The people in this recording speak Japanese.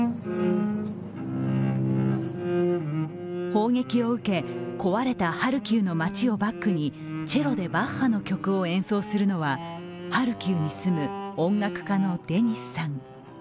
砲撃を受け、壊れたハルキウの街をバックにチェロでバッハの曲を演奏するのはハルキウに住む音楽家のデニスさん。